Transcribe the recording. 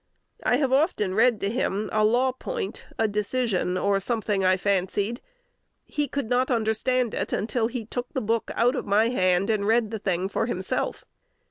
I have often read to him a law point, a decision, or something I fancied: he could not understand it until he took the book out of my hand, and read the thing for himself.